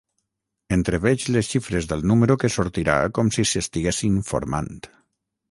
Entreveig les xifres del número que sortirà com si s'estiguessin formant.